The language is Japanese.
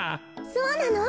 そうなの！